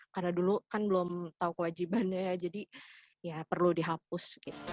karena dulu kan belum tahu kewajibannya jadi ya perlu dihapus